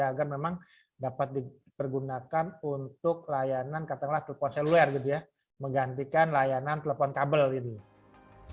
agar memang dapat dipergunakan untuk layanan katakanlah telepon seluler gitu ya menggantikan layanan telepon kabel gitu